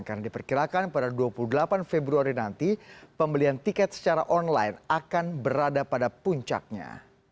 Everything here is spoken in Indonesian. karena diperkirakan pada dua puluh delapan februari nanti pembelian tiket secara online akan berada pada puncaknya